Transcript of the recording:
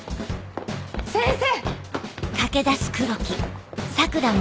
先生！